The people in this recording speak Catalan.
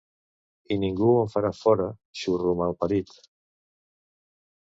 I ningú em fa fora, xurro malparit!